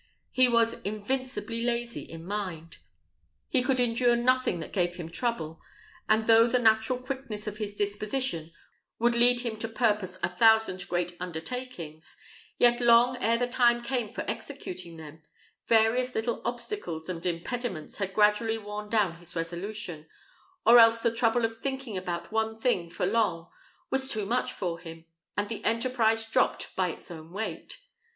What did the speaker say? He was invincibly lazy in mind. He could endure nothing that gave him trouble; and, though the natural quickness of his disposition would lead him to purpose a thousand great undertakings, yet long ere the time came for executing them, various little obstacles and impediments had gradually worn down his resolution; or else the trouble of thinking about one thing for long was too much for him, and the enterprise dropped by its own weight.